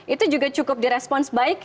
itu juga cukup di respons baik